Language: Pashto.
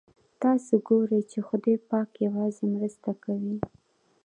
تاسو ګورئ چې خدای پاک یوازې مرسته کوي.